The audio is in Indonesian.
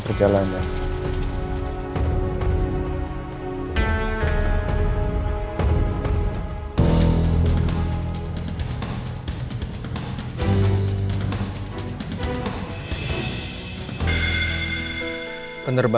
selamat ngajar ya